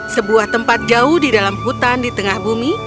sebuah tempat jauh di dalam hutan di tengah bumi